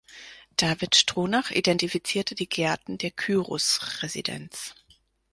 David Stronach identifizierte die Gärten der Kyros-Residenz.